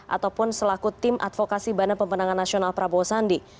ataupun selaku tim advokasi badan pemenangan nasional prabowo sandi